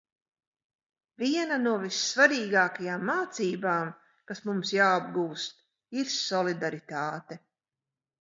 Viena no vissvarīgākajām mācībām, kas mums jāapgūst, ir solidaritāte.